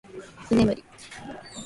居眠り